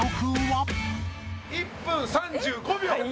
１分３５秒！